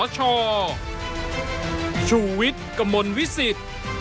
ชุวิตกระมนวิสิทธิ์